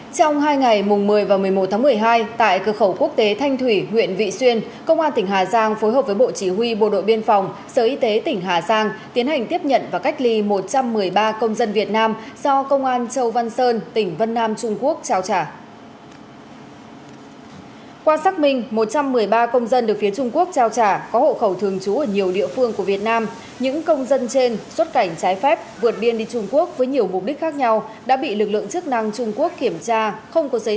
trong hai ngày một mươi và một mươi một tháng một mươi hai tại cơ khẩu quốc tế thanh thủy huyện vị xuyên công an tỉnh hà giang phối hợp với bộ chỉ huy bộ đội biên phòng sở y tế tỉnh hà giang tiến hành tiếp nhận và cách ly một trăm một mươi ba công dân việt nam do công an châu văn sơn tỉnh vân nam trung quốc trao truyền